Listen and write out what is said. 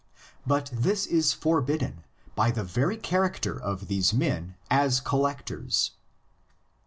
But this is forbidden by the very character of these men as collectors.'